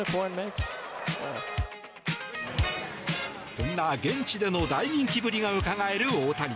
そんな現地での大人気ぶりがうかがえる大谷。